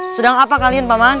sedang apa dead kyuhyun pangreen